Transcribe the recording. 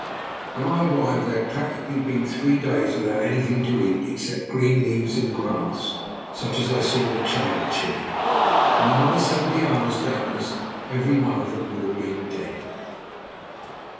When I arrived they had practically been three days without anything to eat except green leaves and grass, such as I saw the child chewing. In another seventy hours doubtless every one of them would have been dead.